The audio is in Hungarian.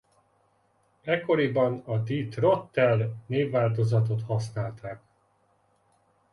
Ekkoriban a Die Trottel névváltozatot használták.